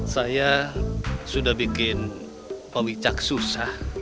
saya sudah bikin pak wicak susah